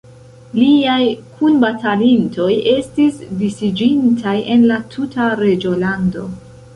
Liaj kunbatalintoj estis disiĝintaj en la tuta reĝolando.